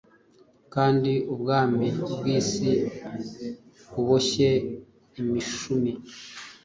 kandi ubwami bw'isi buboshye imishumi,